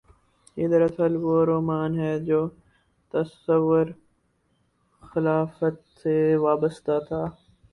یہ دراصل وہ رومان ہے جو تصور خلافت سے وابستہ تھا۔